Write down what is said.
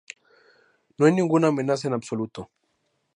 No hay ninguna amenaza en absoluto.